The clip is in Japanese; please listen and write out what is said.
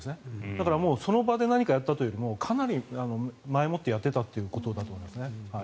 だから、その場で何かやったというよりもかなり前もってやっていたということだと思います。